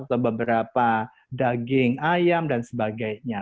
atau beberapa daging ayam dan sebagainya